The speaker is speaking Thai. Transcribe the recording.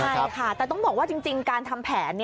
ใช่ค่ะแต่ต้องบอกว่าจริงการทำแผน